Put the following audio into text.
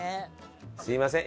すみません